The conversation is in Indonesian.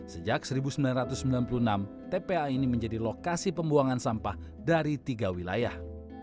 sejak seribu sembilan ratus sembilan puluh enam tpa ini menjadi lokasi pembuangan sampah dari tiga wilayah